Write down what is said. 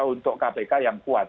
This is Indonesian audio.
untuk kpk yang kuat